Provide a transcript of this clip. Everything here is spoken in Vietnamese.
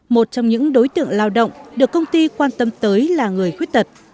một trong những đối tượng lao động được công ty quan tâm tới là người khuyết tật